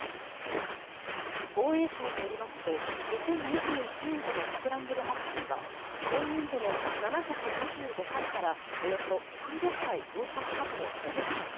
防衛省によりますと２０２１年度のスクランブル発進は前年度の７２５回からおよそ３００回増加したとのことです。